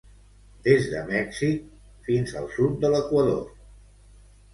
Des de Mèxic fins al sud de l'Equador.